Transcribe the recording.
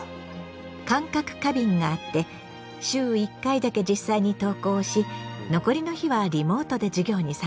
感覚過敏があって週１回だけ実際に登校し残りの日はリモートで授業に参加している。